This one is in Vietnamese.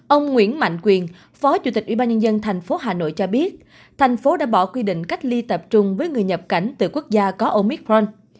ông nguyễn mạnh quyền phó chủ tịch ủy ban nhân dân thành phố hà nội cho biết thành phố đã bỏ quy định cách ly tập trung với người nhập cảnh từ quốc gia có omicron